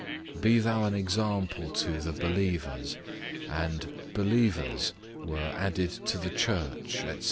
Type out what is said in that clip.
Be thou an example to "the believers;" and, "believers" were "added to the church," &c.